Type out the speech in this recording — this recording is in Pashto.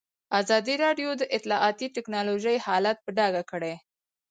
ازادي راډیو د اطلاعاتی تکنالوژي حالت په ډاګه کړی.